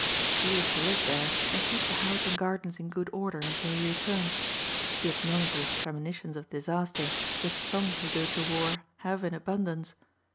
She was to live there and keep the house and gardens in good order until he returned. He had none of those premonitions of disaster which some who go to war have in abundance.